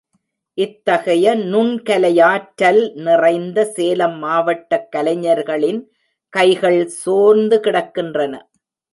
இத்தகைய நுண் கலையாற்றல் நிறைந்த சேலம் மாவட்டக் கலைஞர்களின் கைகள் சோர்ந்து கிடக்கின்றன.